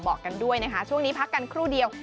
บอกกันด้วยนะคะช่วงนี้พักกันครู่เดียว